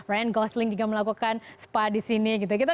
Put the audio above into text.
ryan gosling juga melakukan spa di sini gitu gitu